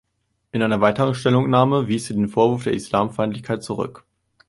In einer weiteren Stellungnahme wies sie den Vorwurf der Islamfeindlichkeit zurück.